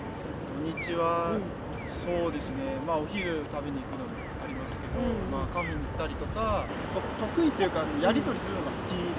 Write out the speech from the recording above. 日中はお昼食べに行くことがありますけど、カフェに行ったりとか、得意というか、やりとりするのが好きで。